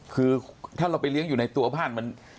คือถ้าเราไปเลี้ยงอยู่ในตัวบ้านมัน